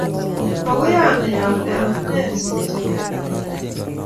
Makoy anai ale amune sikochome pik koyaai